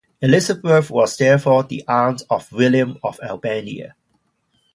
Elisabeth was therefore the aunt of William of Albania.